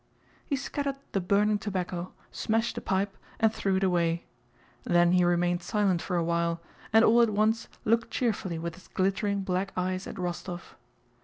He scattered the burning tobacco, smashed the pipe, and threw it away. Then he remained silent for a while, and all at once looked cheerfully with his glittering, black eyes at Rostóv.